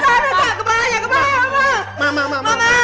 gak gak gak